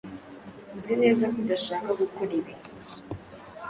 Uzi neza ko udashaka gukora ibi?